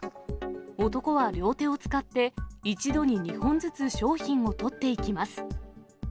男は両手を使って、一度に２本ずつ商品を撮っていきます。